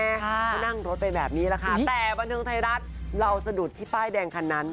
ก็นั่งรถไปแบบนี้แหละค่ะแต่บันเทิงไทยรัฐเราสะดุดที่ป้ายแดงคันนั้น